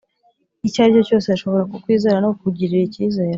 icyo ari cyo cyose ashobora kukwizera no kukugirira icyizere.